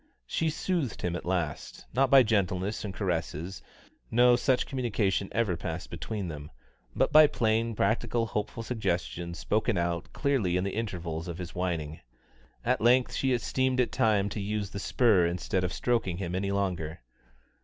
She soothed him at last, not by gentleness and caresses no such communication ever passed between them but by plain, practical, hopeful suggestions spoken out clearly in the intervals of his whining. At length she esteemed it time to use the spur instead of stroking him any longer.